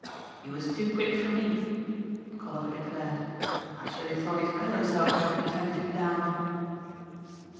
"He was too quick for me," Colliver declared. "I surely thought he'd hurt himself jumping ten feet down."